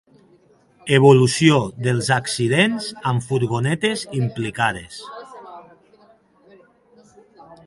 Evolució dels accidents amb furgonetes implicades.